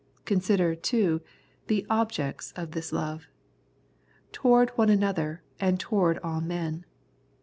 Consider, too, the objects of this love —" Toward one another, and toward all men."